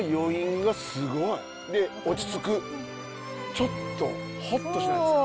ちょっとほっとしないですか？